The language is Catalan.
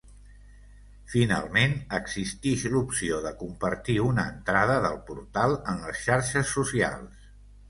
Finalment, existix l'opció de compartir una entrada del portal en les xarxes socials.